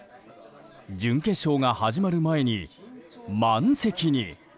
準決勝が始まる前に満席に。